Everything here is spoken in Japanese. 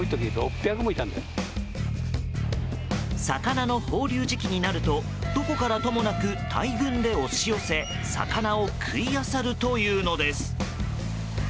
魚の放流時期になるとどこからともなく大群で押し寄せ魚を食いあさるというのです。